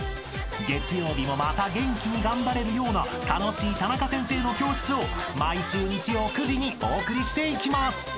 ［月曜日もまた元気に頑張れるような楽しいタナカ先生の教室を毎週日曜９時にお送りしていきます］